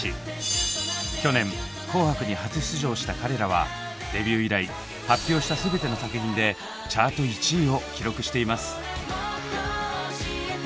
去年「紅白」に初出場した彼らはデビュー以来発表したすべての作品でチャート１位を記録しています。